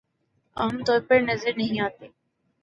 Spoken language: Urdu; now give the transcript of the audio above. عام طور پر نظر نہیں آتے